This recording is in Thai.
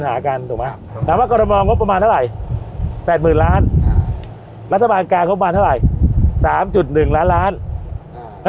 ว่าก่อนมามีงบประมาณเท่าไรแปดหมื่นล้านครับรัฐบาลการงบประมาณตรายสามจุดหนึ่งล้านล้านอ่า